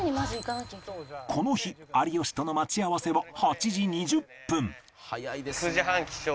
この日有吉との待ち合わせは８時２０分